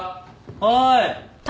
はい。